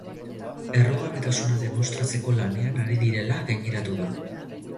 Errugabetasuna demostratzeko lanean ari direla gaineratu du.